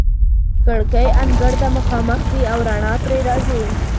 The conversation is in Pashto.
کړکۍ انګړ ته مخامخ دي او رڼا ترې راځي.